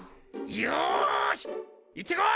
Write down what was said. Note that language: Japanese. よし行ってこい！